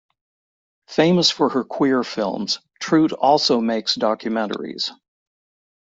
Famous for her queer films, Treut also makes documentaries.